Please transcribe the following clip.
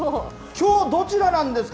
きょう、どちらなんですか？